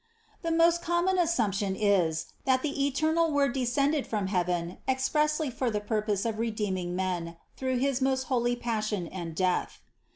The most common assumption is, that the eternal Word descended from heaven expressly for the purpose of redeeming men through his most holy Passion and Death.